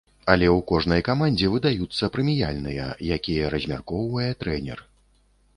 Але ў кожнай камандзе выдаюцца прэміяльныя, якія размяркоўвае трэнер.